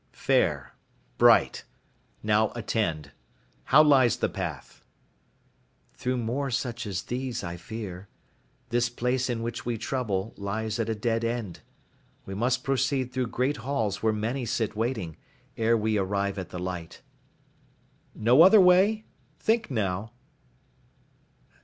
"Fair. Bright. Now attend. How lies the path?" "Through more such as these, I fear. This place in which we trouble lies at a dead end. We must proceed through great halls where many sit waiting, ere we arrive at the light." "No other way? Think now."